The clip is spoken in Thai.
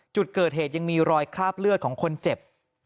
จุดเกิดเหตุยังมีรอยคราบเลือดของคนเจ็บ